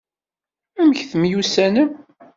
Amek temyussanem?